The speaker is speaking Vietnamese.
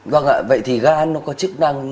vâng ạ vậy thì gan nó có chức năng